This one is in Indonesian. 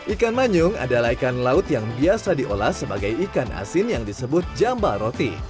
ikan manyung adalah ikan laut yang biasa diolah sebagai ikan asin yang disebut jambal roti